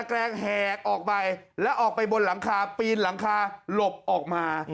แกรงแหกออกไปแล้วออกไปบนหลังคาปีนหลังคาหลบออกมา